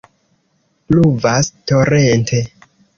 Pluvas torente.